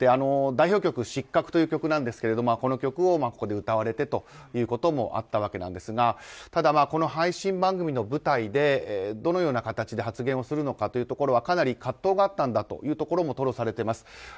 代表曲「失格」という曲ですがこの曲をここで歌われてということもあったんですがこの配信番組の舞台でどのような形で発言をするのかは、かなり葛藤があったんだというところも吐露されています。